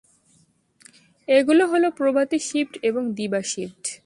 এগুলো হলো প্রভাতী শিফট এবং দিবা শিফট।